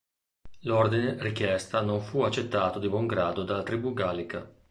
L'ordine-richiesta non fu accettato di buon grado dalla tribù gallica.